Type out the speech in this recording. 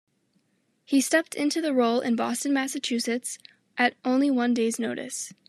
He stepped into the role in Boston, Massachusetts, at only one day's notice.